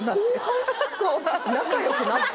仲良くなって？